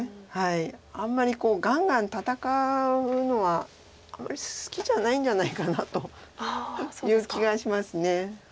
あんまりがんがん戦うのはあんまり好きじゃないんじゃないかなという気がします。